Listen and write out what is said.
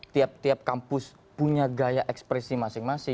tiap tiap kampus punya gaya ekspresi masing masing